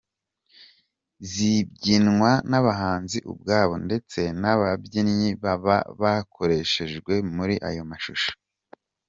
Zibyinwa n’abahanzi ubwabo ndetse n’ababyinnyi baba bakoreshejwe muri ayo mashusho.